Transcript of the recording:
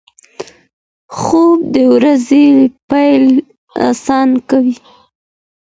خوب د ورځې پیل اسانه کوي.